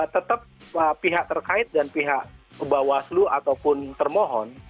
tetap pihak terkait dan pihak kebawah selu ataupun termohon